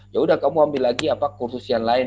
ya udah kamu ambil lagi apa kursus yang lain